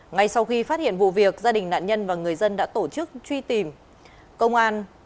ngay sau khi phát hiện vụ việc gia đình nạn nhân và người dân đã tổ chức truy tìm công an